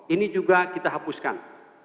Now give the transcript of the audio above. ini juga kita hapuskan